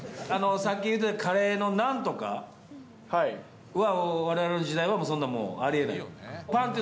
さっき言ってたカレーのナンとかは、われわれの時代は、そんなのもうありえない、ありえない。